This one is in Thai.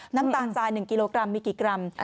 น้ำตาลทราย๑กิโลกรัมมีกี่กรัม